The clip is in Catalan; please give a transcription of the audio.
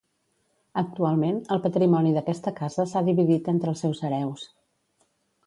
Actualment, el patrimoni d'aquesta casa s'ha dividit entre els seus hereus.